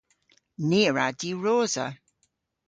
Ni a wra diwrosa.